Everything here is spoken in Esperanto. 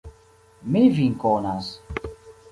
Mi vin konas.